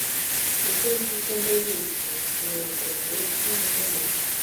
Ibyo mvuga ndabizi nago mbeshya habe namba